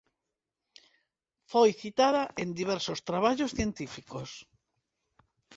Foi citada en diversos traballos científicos.